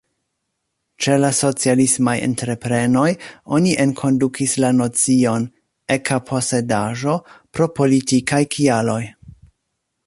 Ĉe la socialismaj entreprenoj oni enkondukis la nocion „eka posedaĵo” pro politikaj kialoj.